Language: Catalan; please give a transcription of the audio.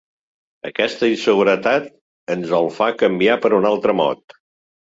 Aquesta inseguretat ens el fa canviar per un altre mot.